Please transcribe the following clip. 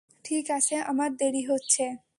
ঠিক আছে, আমার দেরি হচ্ছে।